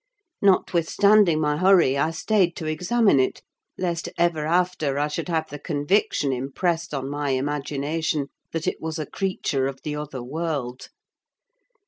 Notwithstanding my hurry, I stayed to examine it, lest ever after I should have the conviction impressed on my imagination that it was a creature of the other world.